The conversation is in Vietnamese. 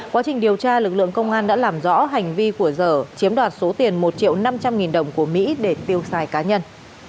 quá trình điều tra lực lượng công an đã làm rõ hành vi của dở chiếm đoạt số tiền một triệu năm trăm linh nghìn đồng của mỹ để tiêu xài cá nhân